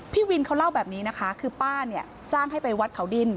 พี่วินเขาเล่าแบบนี้นะคะคือป้าเนี่ยจ้างให้ไปวัดเขาดิน